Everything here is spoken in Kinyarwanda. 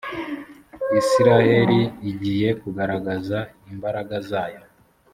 israheli igiye kugaragaza imbaraga zayo.